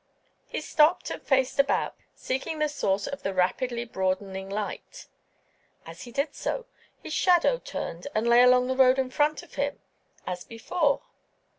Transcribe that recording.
He stopped and faced about, seeking the source of the rapidly broadening light. As he did so, his shadow turned and lay along the road in front of him as before.